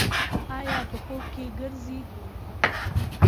ایا په خوب کې ګرځئ؟